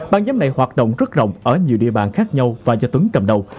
băng nhóm này hoạt động rất rộng ở nhiều địa bàn khác nhau và do tuấn cầm đầu